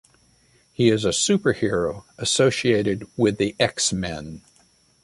He is a superhero associated with the X-Men.